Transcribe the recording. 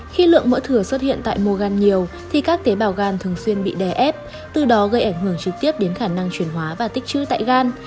khi lượng mỡ thừa xuất hiện tại mogan nhiều thì các tế bào gan thường xuyên bị đè ép từ đó gây ảnh hưởng trực tiếp đến khả năng chuyển hóa và tích chữ tại gan